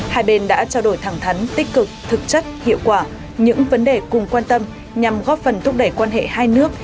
hai bên đã trao đổi thẳng thắn tích cực thực chất hiệu quả những vấn đề cùng quan tâm nhằm góp phần thúc đẩy quan hệ hai nước